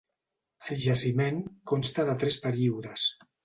El jaciment consta de tres períodes: